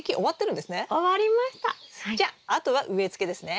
じゃああとは植えつけですね。